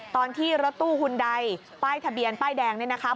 ตอนที่รถตู้หุ่นใดป้ายทะเบียนป้ายแดงเนี่ยนะคะ